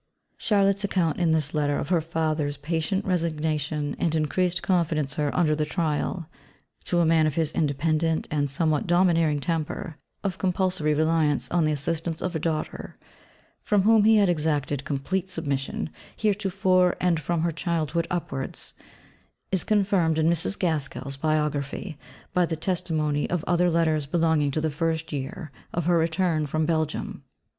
Charlotte's account in this Letter of her father's patient resignation and increased confidence in her under the trial, to a man of his independent and somewhat domineering temper, of compulsory reliance on the assistance of a daughter from whom he had exacted complete submission heretofore and from her childhood upwards, is confirmed in Mrs. Gaskell's biography by the testimony of other letters belonging to the first year of her return from Belgium.